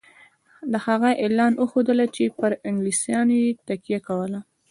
د هغه اعلان وښودله چې پر انګلیسیانو تکیه کوله.